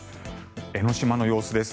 江の島の様子です。